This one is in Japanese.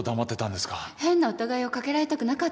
変な疑いを掛けられたくなかったんです。